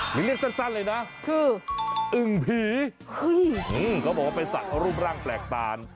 เรียกสั้นเลยนะคืออึ่งผีเขาบอกว่าเป็นสัตว์รูปร่างแปลกตาล